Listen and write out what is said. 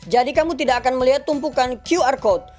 jadi kamu tidak akan melihat tumpukan qr code